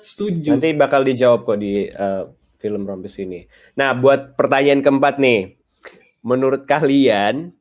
setuju nih bakal dijawab kok di film rompis ini nah buat pertanyaan keempat nih menurut kalian